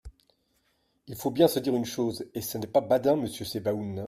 Il faut bien se dire une chose, et ce n’est pas badin, monsieur Sebaoun.